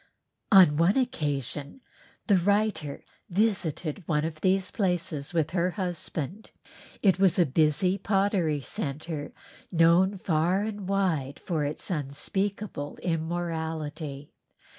On one occasion the writer visited one of these places with her husband. It was a busy pottery centre, known far and wide for its unspeakable immorality.